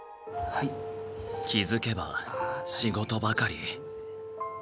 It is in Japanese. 気付けば仕事ばかり。